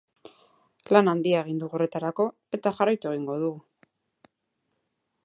Lan handia egin dugu horretarako, eta jarraitu egingo dugu.